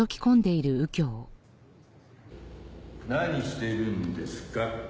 何してるんですか？